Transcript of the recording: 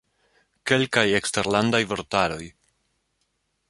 Kelkaj eksterlandaj vortaroj.